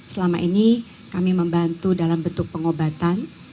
selama ini kami membantu dalam bentuk pengobatan